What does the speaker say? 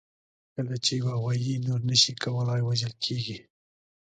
کله چې یوه غویي نور نه شي کولای، وژل کېږي.